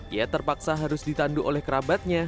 ia terpaksa harus ditandu oleh kerabatnya